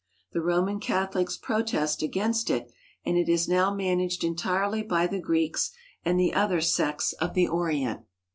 The Roman Catholics protest against it, and it is now managed entirely by the Greeks and the other sects of the Orient.